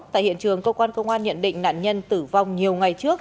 tại hiện trường công an nhận định nạn nhân tử vong nhiều ngày trước